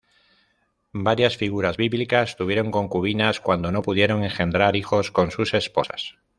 Varias figuras bíblicas tuvieron concubinas cuando no pudieron engendrar hijos con sus esposas.